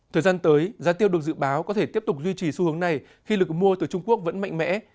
thời gian tới giá tiêu được dự báo có thể tiếp tục duy trì xu hướng này khi lực mua từ trung quốc vẫn mạnh mẽ